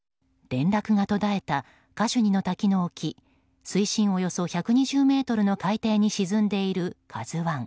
連絡が途絶えたカシュニの滝の沖水深およそ１２０ｍの海底に沈んでいる「ＫＡＺＵ１」。